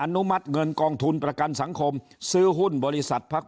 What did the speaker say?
นุมัติเงินกองทุนประกันสังคมซื้อหุ้นบริษัทพัก